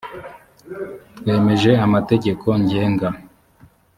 twemeje amategeko ngenga